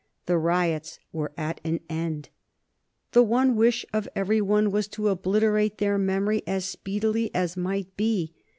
The riots were at an end. The one wish of every one was to obliterate their memory as speedily as might be.